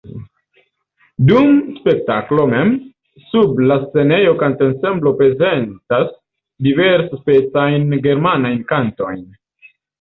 Dum spektaklo mem, sub la scenejo kantensemblo prezentas diversspecajn germanajn kantojn.